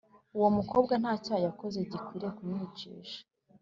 Uwo mukobwa nta cyaha yakoze gikwiriye kumwicisha